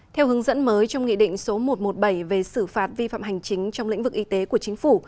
theo hướng dẫn mới trong nghị định số một trăm một mươi bảy về xử phạt vi phạm hành chính trong lĩnh vực y tế của chính phủ